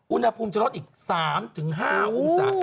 อุณหภูมิจะลดอีก๓๕องศา